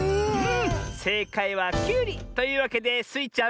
せいかいはきゅうり！というわけでスイちゃん